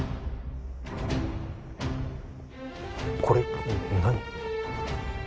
これ何？